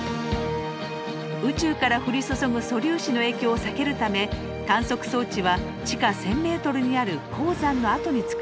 宇宙から降り注ぐ素粒子の影響を避けるため観測装置は地下１，０００ｍにある鉱山の跡に作られました。